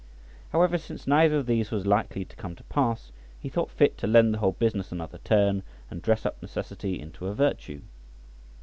However, since neither of these was likely to come to pass, he thought fit to lend the whole business another turn, and to dress up necessity into a virtue.